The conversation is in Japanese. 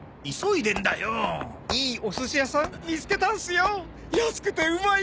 いいお寿司屋さん見つけたんすよ！安くてうまい。